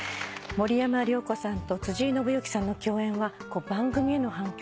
森山良子さんと辻井伸行さんの共演は番組への反響